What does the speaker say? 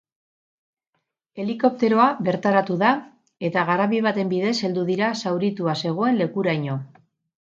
Helikopteroa bertaratu da, eta garabi baten bidez heldu dira zauritua zegoen lekuraino.